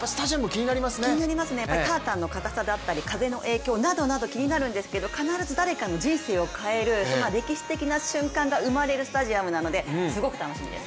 気になりますね、タータンのかたさだったり気になるんですけども必ず誰かの人生を変える歴史的な瞬間を生むスタジアムなのですごく楽しみです。